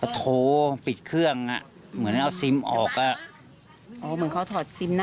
โทรปิดเครื่องอ่ะเหมือนเอาซิมออกอ่ะอ๋อเหมือนเขาถอดซิมนะ